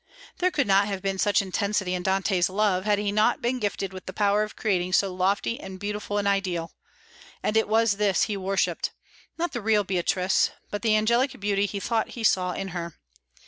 There could not have been such intensity in Dante's love had he not been gifted with the power of creating so lofty and beautiful an ideal; and it was this he worshipped, not the real Beatrice, but the angelic beauty he thought he saw in her.